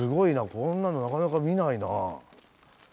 こんなのなかなか見ないな。